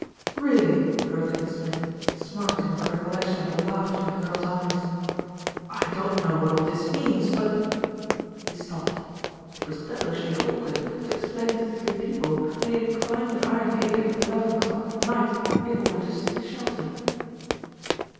"Really," broke in Smith, smarting at the recollec tion of the laughter in the girl's eyes. "I don't know what all this means but " he stopped. It was devil ishly awkward to explain to three people that he had climbed an iron gate at eleven o'clock at night in order to seek shelter.